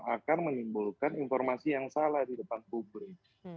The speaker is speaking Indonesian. akan menimbulkan informasi yang salah di depan publik